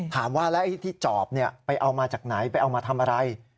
ถามว่าแล้วไอ้ที่จอบไปเอามาจากไหนไปเอามาทำอะไร